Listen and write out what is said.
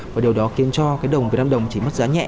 và điều đó khiến cho cái đồng việt nam đồng chỉ mất giá nhẹ